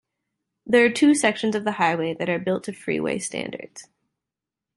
There are two sections of the highway that are built to freeway standards.